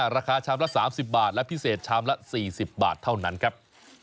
ราคาชามละ๓๐บาทและพิเศษชามละ๔๐บาทเท่านั้นครับ